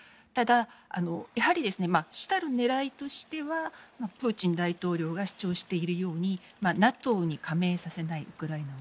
ただ、やはり主たる狙いとしてはプーチン大統領が主張しているようにウクライナをＮＡＴＯに加盟させない。